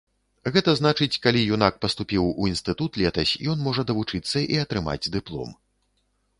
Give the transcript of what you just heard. Гэта значыць, калі юнак паступіў у інстытут летась, ён можа давучыцца і атрымаць дыплом.